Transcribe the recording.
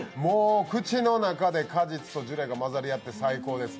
口の中で果実とジュレが混ざり合って最高です。